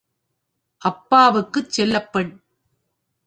அப்பாவுக்குச் செல்லப் பெண்.